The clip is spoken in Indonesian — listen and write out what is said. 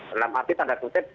dalam arti tanda kutip